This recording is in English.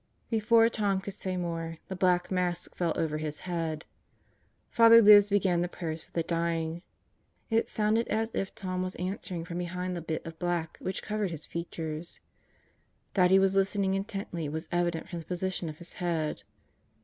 Before Tom could say more, the black mask fell over his head. Father Libs began the prayers for the dying. It sounded as if Tom was answering from behind the bit of black which covered his features. That he was listening intently was evident from the position of his head.